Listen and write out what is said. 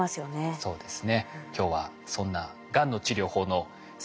そうですね。